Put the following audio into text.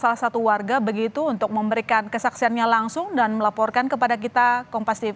belegur bisa anda melakukan sesuatu seperti itu untuk memberikan kesaksiannya langsung dan melaporkan kepada kita kompastv